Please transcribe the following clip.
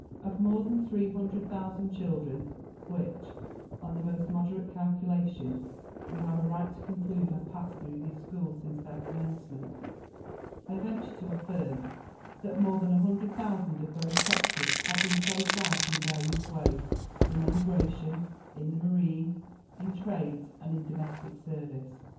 ... Of more than 300,000 children, which, on the most moderate calculation, we have a right to conclude have passed through these schools since their commencement, I venture to affirm that more than 100,000 of both sexes have been placed out in various ways in emigration, in the marine, in trades and in domestic service.